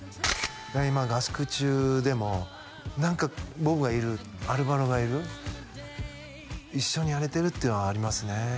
今合宿中でも何かボブがいるアルバロがいる一緒にやれてるっていうのはありますね